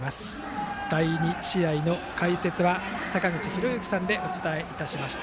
第２試合の解説は坂口裕之さんでお伝えいたしました。